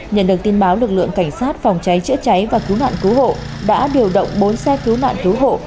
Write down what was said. nhận được tin báo lực lượng cảnh sát phòng cháy chữa cháy và cứu nạn cứu hộ đã điều động bốn xe cứu nạn cứu hộ